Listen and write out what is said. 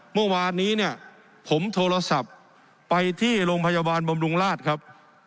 เมื่อวานนี้เนี่ยผมโทรศัพท์ไปที่โรงพยาบาลบำรุงราชครับ